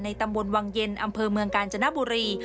ตำบลวังเย็นอำเภอเมืองกาญจนบุรี